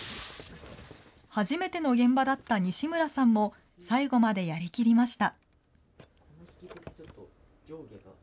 初めての現場だった西村さんも、最後までやりきりました。